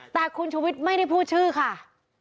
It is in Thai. แต่คุณชุวิตไม่ได้พูดชื่อค่ะ